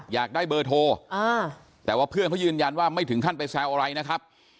อยากได้เบอร์โทรแต่ว่าเพื่อนเขายืนยันว่าไม่ถึงขั้นไปแซวอะไรนะครับ